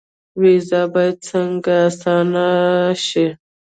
ویزه باید څنګه اسانه شي؟